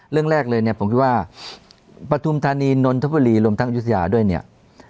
เรื่องแรกเลยเนี่ยผมคิดว่าปฐุมธานีนนทบุรีรวมทั้งอยุธยาด้วยเนี่ย